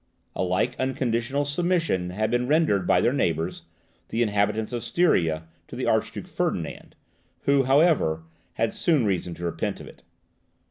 A like unconditional submission had been rendered by their neighbours, the inhabitants of Styria, to the Archduke Ferdinand, who, however, had soon reason to repent of it.